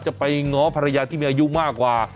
จะไปง้อภรรยาที่มีอายุมากกว่า